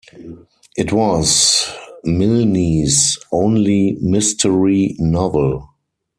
It was Milne's only mystery novel.